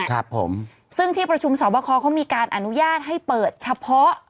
ครับผมซึ่งที่ประชุมสอบคอเขามีการอนุญาตให้เปิดเฉพาะ